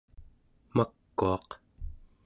makuaq